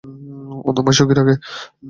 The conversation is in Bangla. ও তোমায় সুখী রাখে?